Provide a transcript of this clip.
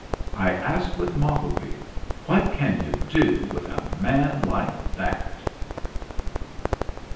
I ask with Mottleby: What can you do with a man like that!